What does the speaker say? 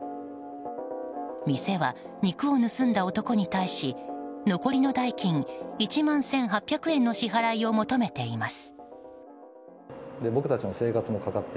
店は、肉を盗んだ男に対し残りの代金１万１８００円の支払いを求めています。